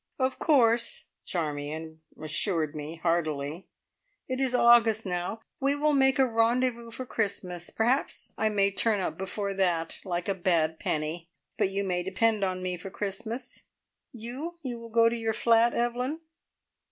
"Of course" Charmion assured me heartily. "It is August now. We will make a rendezvous for Christmas. Perhaps I may turn up before that, like a bad penny, but you may depend on me for Christmas. You you will go to your flat, Evelyn?"